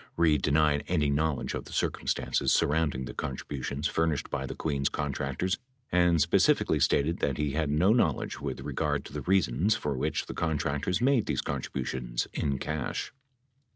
Reid denied any knowledge of the circumstances surrounding the contributions furnished by the Queens contractors and specifically stated that he had no knowledge with regard to the reasons for which the contractors made these contributions in cash.